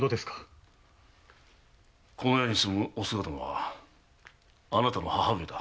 この家に住むおすが殿はあなたの母上だ。